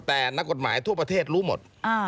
แต่นักกฎหมายทั่วประเทศรู้หมด